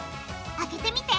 開けてみて！